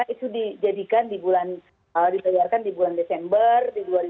itu dijadikan di bulan desember di dua ribu dua puluh